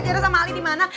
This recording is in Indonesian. jadah sama ali dimana